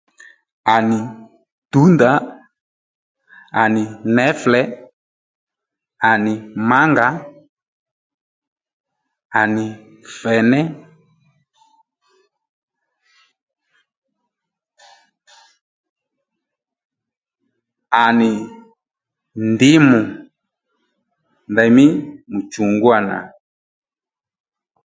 À nì tǔwndà, à nì něflè, à nì mǎngà, à nì fèné, à nì ndǐmù ndèymí mùchùngúwà nà